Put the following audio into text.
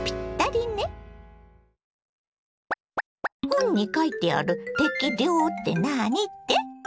本に書いてある「適量」って何って？